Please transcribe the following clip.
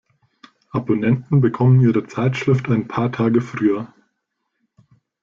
Abonnenten bekommen ihre Zeitschrift ein paar Tage früher.